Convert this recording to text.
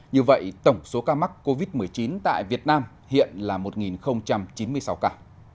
như vậy tổng số ca mắc covid một mươi chín tại việt nam hiện là một chín mươi sáu ca